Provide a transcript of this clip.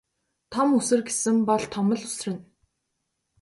Том үсэр гэсэн бол том л үсэрнэ.